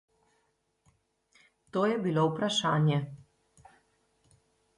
To je bilo vprašanje.